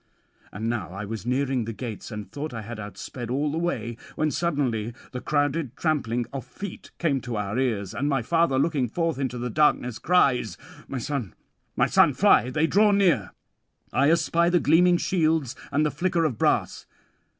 'And now I was nearing the gates, and thought I had [731 764]outsped all the way; when suddenly the crowded trampling of feet came to our ears, and my father, looking forth into the darkness, cries: "My son, my son, fly; they draw near. I espy the gleaming shields and the flicker of brass."